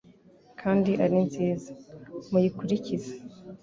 kandi ari nziza; muyikurikize.”